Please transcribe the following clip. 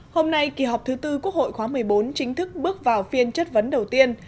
trong khi các bộ trưởng chính thức bước vào phiên chất vấn đầu tiên